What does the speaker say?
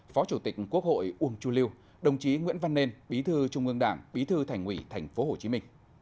phó chủ tịch quốc hội uông chu liêu đồng chí nguyễn văn nên bí thư trung ương đảng bí thư thành ủy tp hcm